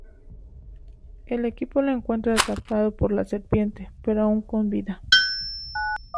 El equipo lo encuentra atrapado por la serpiente, pero aún con vida.